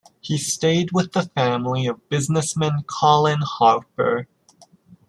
He stayed with the family of businessman Colin Harper.